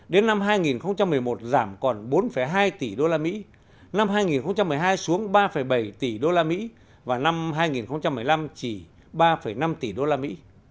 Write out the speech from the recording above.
đến năm hai nghìn một mươi một giảm còn bốn hai tỷ usd năm hai nghìn một mươi hai xuống ba bảy tỷ usd và năm hai nghìn một mươi năm chỉ ba năm tỷ usd